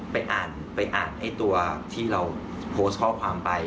ไปอ่านไอ้ตัวที่เราโพสต์ข้อความไป